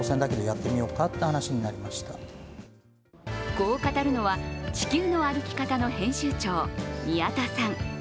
こう語るのは「地球の歩き方」の編集長、宮田さん。